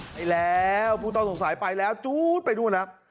ไปแล้วผู้ต้องสงสัยไปแล้วจู๊ดไปนู่นแล้ว